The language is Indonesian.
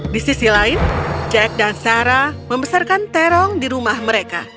di sisi lain jack dan sarah membesarkan terong di rumah mereka